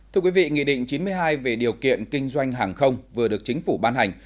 thưa quý vị nghị định chín mươi hai về điều kiện kinh doanh hàng không vừa được chính phủ ban hành